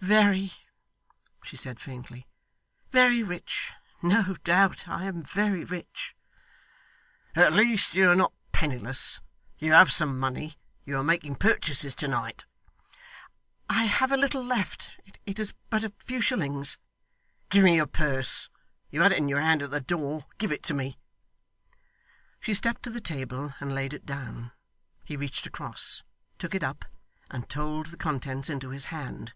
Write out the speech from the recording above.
'Very,' she said faintly. 'Very rich. No doubt I am very rich.' 'At least you are not penniless. You have some money. You were making purchases to night.' 'I have a little left. It is but a few shillings.' 'Give me your purse. You had it in your hand at the door. Give it to me.' She stepped to the table and laid it down. He reached across, took it up, and told the contents into his hand.